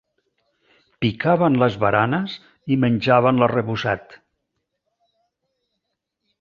Picaven les baranes i menjaven l'arrebossat.